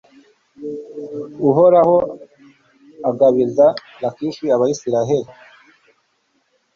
uhoraho agabiza lakishi abayisraheli